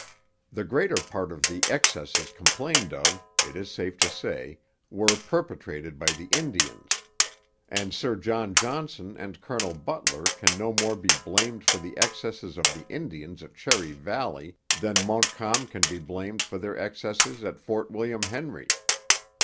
The greater part of the excesses complained of, it is safe to say, were perpetrated by the Indians; and Sir John Johnson and Colonel Butler can no more be blamed for the excesses of the Indians at Cherry Valley than Montcalm can be blamed for their excesses at Fort William Henry.